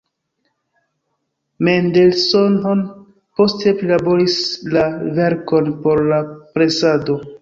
Mendelssohn poste prilaboris la verkon por la presado.